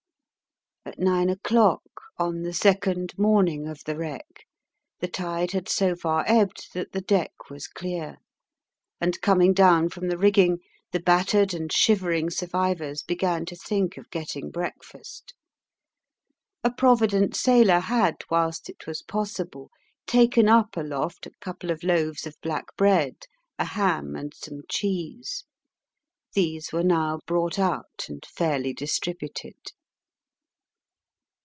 At nine o'clock, on the second morning of the wreck the tide had so far ebbed that the deck was clear, and, coming down from the rigging, the battered and shivering survivors began to think of getting breakfast. A provident sailor had, whilst it was possible, taken up aloft a couple of loaves of black bread, a ham, and some cheese. These were now brought out and fairly distributed.